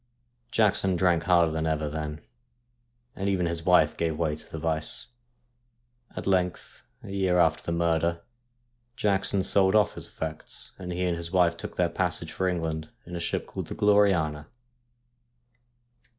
Jackson drank harder than ever then, and even his wife gave way to the vice. At length, a year after the murder, Jackson sold off his effects, and he and his wife took their passage for England, in a ship called the Gloriana.